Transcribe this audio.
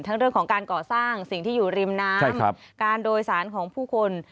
เรื่องของการก่อสร้างสิ่งที่อยู่ริมน้ำการโดยสารของผู้คน